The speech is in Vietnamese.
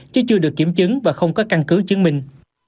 chứ chưa được kiểm chứng và không có căn cứ chứng minh